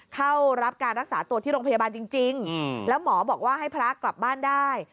เข้ารับการรักษาตัวที่โรงพยาบาลจริงแล้วหมอบอกว่าให้พระกลับบ้านได้